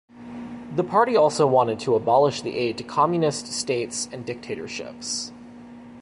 The party also wanted to abolish the aid to communist states and dictatorships.